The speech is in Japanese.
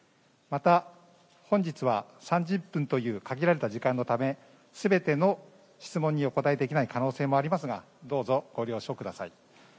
また、本日は３０分という限られた時間のため全ての質問にお答えできない可能性もありますがどうぞご了承ください。